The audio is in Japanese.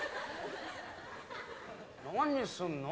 何すんの？